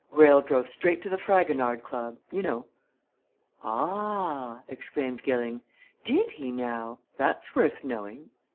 Greyle drove straight to the Fragonard Club you know." "Ah!" exclaimed Gilling. "Did he, now? That's worth knowing."